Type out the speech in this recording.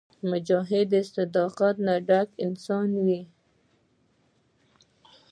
مجاهد د صداقت نه ډک انسان وي.